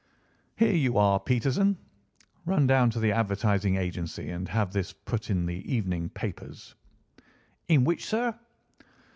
Here you are, Peterson, run down to the advertising agency and have this put in the evening papers." "In which, sir?"